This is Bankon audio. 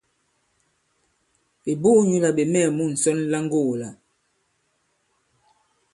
Ɓè buū nyǔ là ɓè mɛɛ̀ mu ŋsɔn la ŋgogō-la.